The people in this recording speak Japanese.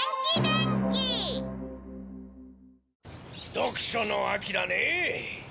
読書の秋だねえ。